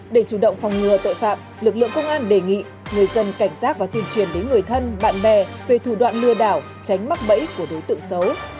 để chủ động phòng ngừa tội phạm lực lượng công an đề nghị người dân cảnh giác và tuyên truyền đến người thân bạn bè về thủ đoạn lừa đảo tránh mắc bẫy của đối tượng xấu